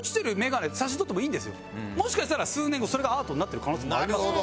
もしかしたら数年後それがアートになってる可能性もありますから。